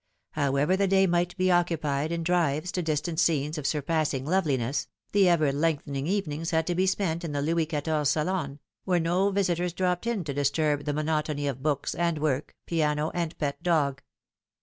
However the day might be occupied in drives to distant scenes of surpassing love liness, the ever lengthening evenings had to be spent in the Louis Quatorze salon, where no visitors dropped in to disturb the monotony of books and work, piano and pet dog.